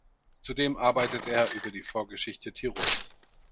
Zudem arbeitet er über die Vorgeschichte Tirols.